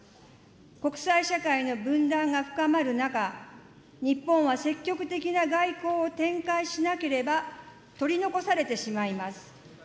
国際社会の分断が深まる中、日本は積極的な外交を展開しなければ、取り残されてしまいます。